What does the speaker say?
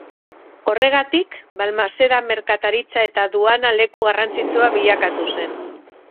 Horregatik, Balmaseda merkataritza eta aduana leku garrantzitsua bilakatu zen.